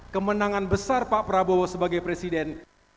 kemenangan besar pak prabowo sebagai presiden